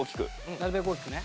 なるべく大きくね。